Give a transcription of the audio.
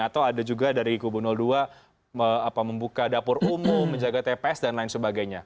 atau ada juga dari kubu dua membuka dapur umum menjaga tps dan lain sebagainya